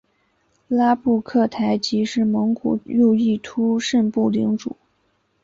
拉布克台吉是蒙古右翼兀慎部领主。